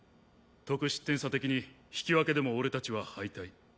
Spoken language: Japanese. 得失点差的に引き分けでも俺たちは敗退。